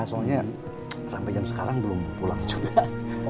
soalnya sampai jam sekarang belum pulang juga